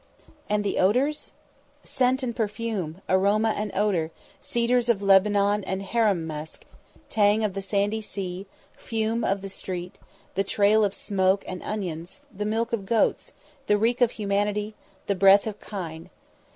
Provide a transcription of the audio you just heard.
And the odours? Scent and perfume, aroma and odour; cedars of Lebanon and harem musk; tang of the sandy sea, fume of the street; the trail of smoke and onions; the milk of goats; the reek of humanity; the breath of kine.